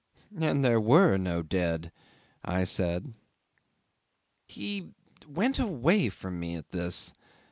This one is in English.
'"And there were no dead," I said. 'He went away from me at this.